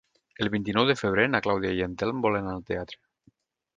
El vint-i-nou de febrer na Clàudia i en Telm volen anar al teatre.